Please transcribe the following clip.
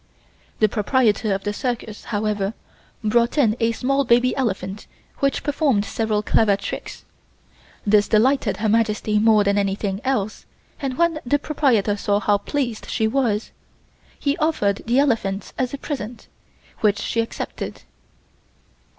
The proprietor of the circus, however, brought in a small baby elephant which performed several clever tricks. This delighted Her Majesty more than anything else and when the proprietor saw how pleased she was he offered the elephant as a present, which she accepted.